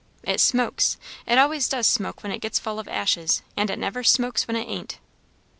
"It smokes. It always does smoke when it gets full of ashes; and it never smokes when it ain't."